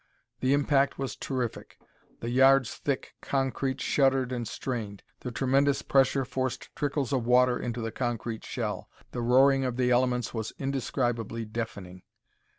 The impact was terrific. The yards thick concrete shuddered and strained. The tremendous pressure forced trickles of water into the concrete shell: the roaring of the elements was indescribably deafening.